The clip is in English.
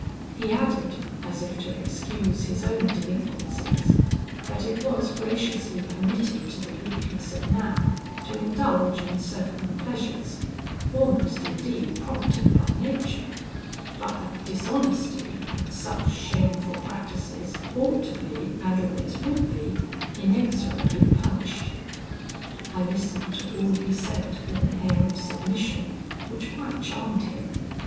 He added, as if to excuse his own delinquencies, that it was graciously permitted to the weakness of man to indulge in certain pleasures, almost, indeed, prompted by nature, but that dishonesty and such shameful practices ought to be, and always would be, inexorably punished. "I listened to all he said with an air of submission, which quite charmed him.